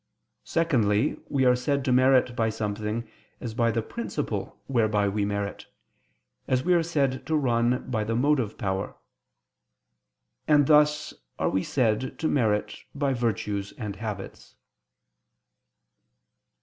Secondly, we are said to merit by something as by the principle whereby we merit, as we are said to run by the motive power; and thus are we said to merit by virtues and habits.